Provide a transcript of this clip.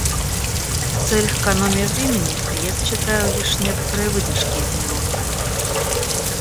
В целях экономии времени я зачитаю лишь некоторые выдержки из него.